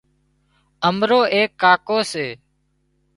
امرو ايڪ ڪاڪو سي